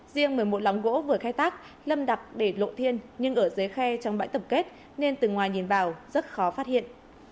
riêng một mươi một lóng gỗ vừa khai thác lâm đập để lộ thiên nhưng ở dưới khe trong bãi tập kết nên từ ngoài nhìn vào rất khó phát hiện